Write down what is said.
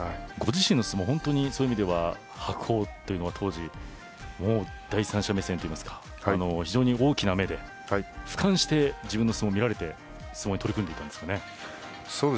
ご自身の相撲そういう意味では白鵬というのは当時第三者目線といいますか非常に大きな目で、俯瞰して自分の相撲を見られて相撲に取り組んでいたんですかね。